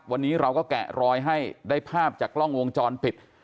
วันนี้เราก็แกะรอยให้ได้ภาพจากกล้องวงจรปิด